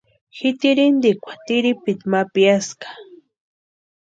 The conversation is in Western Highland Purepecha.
Ji tirhintikwa tiripiti ma piaaska.